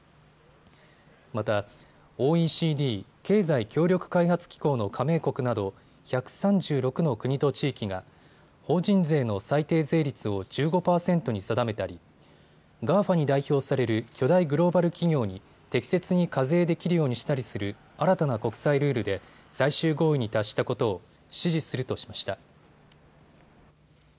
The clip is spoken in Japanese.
また、ＯＥＣＤ・経済協力開発機構の加盟国など１３６の国と地域が法人税の最低税率を１５％に定めたり、ＧＡＦＡに代表される巨大グローバル企業に適切に課税できるようにしたりする新たな国際ルールで最終合意に達したことを支持するとしました。